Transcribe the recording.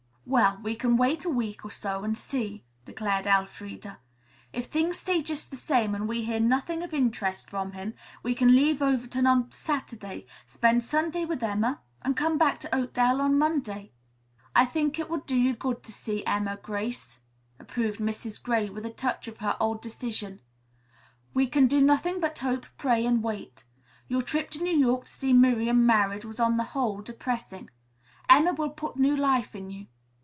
"Well, we can wait a week or so and see," declared Elfreda. "If things stay just the same and we hear nothing of interest from him, we can leave Overton on Saturday, spend Sunday with Emma and come back to Oakdale on Monday." "I think it would do you good to see Emma, Grace," approved Mrs. Gray with a touch of her old decision. "We can do nothing but hope, pray and wait. Your trip to New York to see Miriam married was on the whole depressing. Emma will put new life into you.